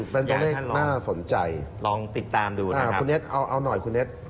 เป็นตัวเลขน่าสนใจคุณเน็ตเอาหน่อยครับ